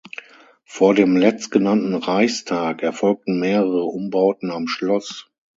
Vor dem letztgenannten Reichstag erfolgten mehrere Umbauten am Schloss.